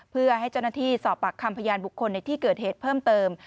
เพื่อให้เจ้าหน้าที่สอบปากคำพยานบุคคลในที่เกิดเหตุเพิ่มเติม